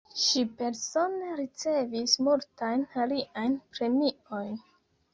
Ŝi persone ricevis multajn aliajn premiojn.